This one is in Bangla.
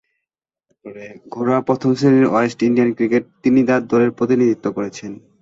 ঘরোয়া প্রথম-শ্রেণীর ওয়েস্ট ইন্ডিয়ান ক্রিকেটে ত্রিনিদাদ দলের প্রতিনিধিত্ব করেছেন।